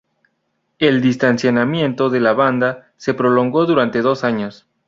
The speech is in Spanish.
El distanciamiento de la banda se prolongó durante dos años.